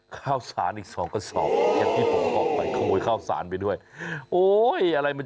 ข้าวสารอีก๒กระสอบ